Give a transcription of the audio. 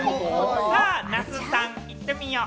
那須さん、いってみよう。